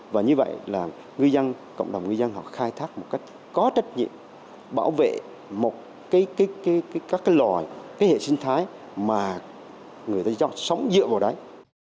và như vậy là cộng đồng ngư dân họ khai thác một cách có trách nhiệm bảo vệ một cái loài cái hệ sinh thái mà người ta sống dựa vào đấy